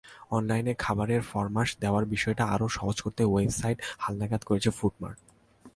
অনলাইনে খাবারের ফরমাশ দেওয়ার বিষয়টি আরও সহজ করতে ওয়েবসাইট হালনাগাদ করেছে ফুডমার্ট।